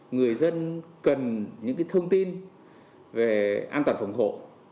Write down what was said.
người dân cần những thông tin về an toàn phòng hộ